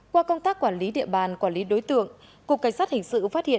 qua công tác quản lý địa bàn quản lý đối tượng cục cảnh sát hình sự phát hiện